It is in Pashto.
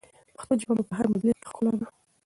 پښتو ژبه مو په هر مجلس کې ښکلا ده.